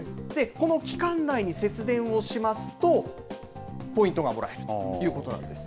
この期間内に節電をしますと、ポイントがもらえるということなんです。